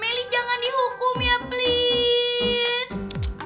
meli jangan dihukum ya please